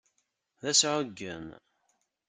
D asɛuggen.